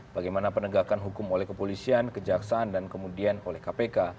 bagaimana penegakan hukum oleh kepolisian kejaksaan dan kemudian oleh kpk